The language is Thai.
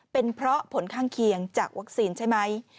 เป็นเพราะผลข้างเคียงจากวัคซีนใช่ไหม